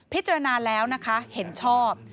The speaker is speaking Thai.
พิจารณาแล้วนะคะเห็นชอบ